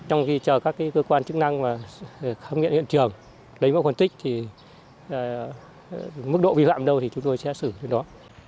trong khi chờ các cơ quan chức năng khám nghiệm hiện trường lấy mẫu phân tích thì mức độ vi phạm đâu thì chúng tôi sẽ xử cái đó